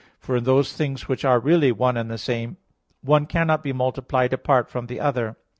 For in those things which are really one and the same, one cannot be multiplied apart from the other.